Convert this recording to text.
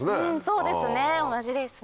そうですね同じですね。